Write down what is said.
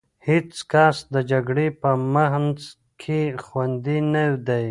هېڅ کس د جګړې په منځ کې خوندي نه دی.